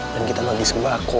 dan kita bagi sembako